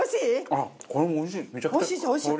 これもおいしい。